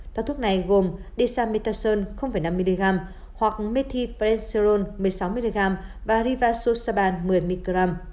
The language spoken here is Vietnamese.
thoát thuốc này gồm disamethasone năm mg hoặc methi prenserol một mươi sáu mg và rivazosaban một mươi mg